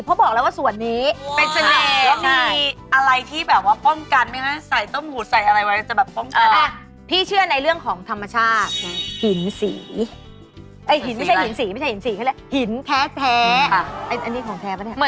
เราสวยจริง